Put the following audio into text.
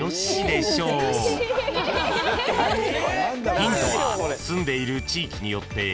［ヒントは］